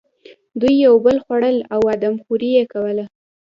دوی یو بل خوړل او آدم خوري یې کوله.